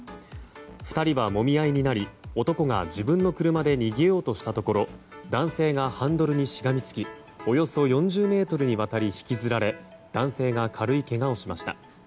２人はもみ合いになり男が自分の車で逃げようとしたところ男性がハンドルにしがみつきおよそ４０ｍにわたり引きずられ男性が軽いけがをしました。